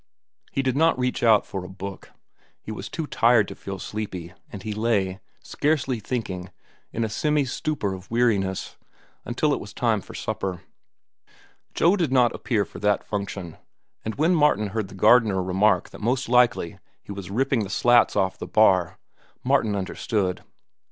He did not reach out for a book. He was too tired to feel sleepy, and he lay, scarcely thinking, in a semi stupor of weariness, until it was time for supper. Joe did not appear for that function, and when Martin heard the gardener remark that most likely he was ripping the slats off the bar, Martin understood.